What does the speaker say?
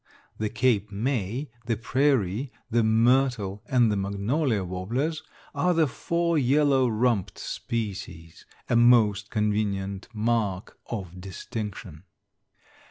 The Cape May, the prairie, the myrtle and the magnolia warblers are the four yellow rumped species a most convenient mark of distinction.